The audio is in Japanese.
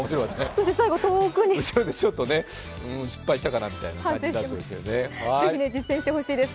そして最後遠くにちょっと失敗したかなみたいな感じでしたね。